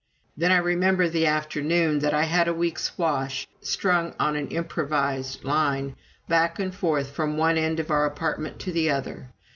Then I remember the afternoon that I had a week's wash strung on an improvised line back and forth from one end of our apartment to the other.